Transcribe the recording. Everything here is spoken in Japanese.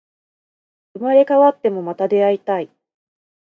生まれ変わっても、また出会いたい